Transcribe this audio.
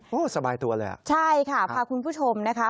โอ้โหสบายตัวเลยอ่ะใช่ค่ะพาคุณผู้ชมนะคะ